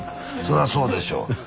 そらそうでしょう。